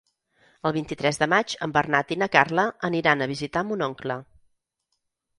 El vint-i-tres de maig en Bernat i na Carla aniran a visitar mon oncle.